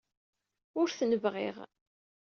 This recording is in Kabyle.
Ur ten-bɣiɣ.